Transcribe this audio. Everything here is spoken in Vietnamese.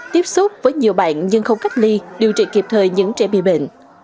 tiếp xúc với nhiều bạn nhưng không cách ly điều trị kịp thời những trẻ bị bệnh